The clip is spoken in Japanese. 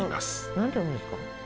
何て読むんですか？